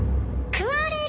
食われる？